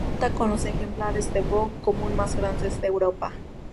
Cuenta con los ejemplares de boj común más grandes de Europa.